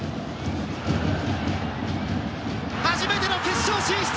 初めての決勝進出！